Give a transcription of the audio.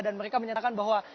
dan mereka menyatakan bahwa